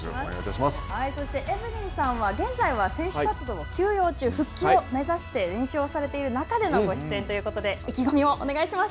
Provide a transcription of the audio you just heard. そしてエブリンさんは、現在は選手活動を休養中、復帰を目指して練習をされている中でのご出演いったことで、意気込みをお願いします。